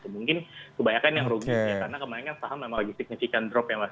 mungkin kebanyakan yang ruginya karena kemaren kan saham memang lagi signifikan drop ya mas